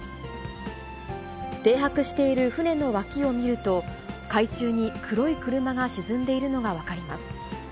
停泊している船の脇を見ると、海中に黒い車が沈んでいるのが分かります。